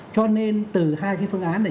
cho nên từ hai cái phương án này